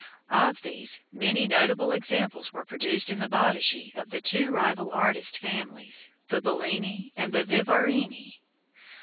Of these, many notable examples were produced in the botteghe of the two rival artist families, the Bellini and the Vivarini.